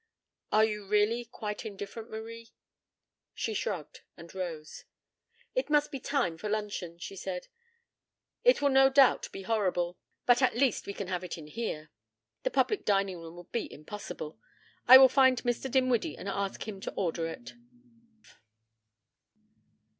Are you really quite indifferent, Marie?" She shrugged and rose. "It must be time for luncheon," she said. "It will no doubt be horrible, but at least we can have it in here. The public dining room would be impossible. I will find Mr. Dinwiddie and ask him to order it."